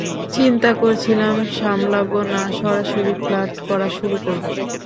চিন্তা করছিলাম সামলাবো না সরাসরি ফ্লার্ট করা শুরু করব।